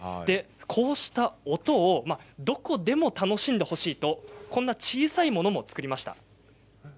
こうした音をどこでも楽しんでほしいと小さいものも作りました。